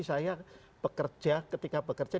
saya bekerja ketika bekerja